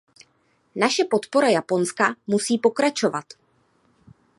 Naše podpora Japonska musí pokračovat.